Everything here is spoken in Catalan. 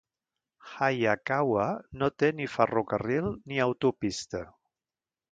Hayakawa no té ni ferrocarril ni autopista.